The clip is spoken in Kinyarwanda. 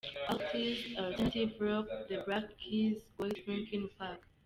Artist, alternative rock: The Black Keys, Gotye, Linkin Park.